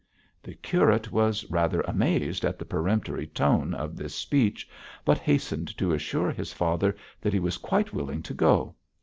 The curate was rather amazed at the peremptory tone of this speech, but hastened to assure his father that he was quite willing to go.